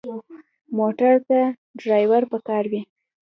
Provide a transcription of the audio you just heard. موټر ته ډرېور پکار وي.